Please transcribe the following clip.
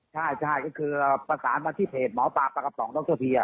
ใช่ก็คือประสานมาที่เพจหมอปลาปลากระป๋องดรเพีย